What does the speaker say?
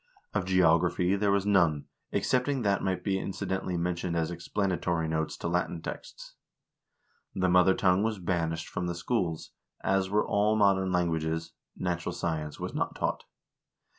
Of geography there was none, excepting what might be incidentally mentioned as explanatory notes to Latin texts. The mother tongue was banished from the schools, as were all modern languages; natural science was not taught.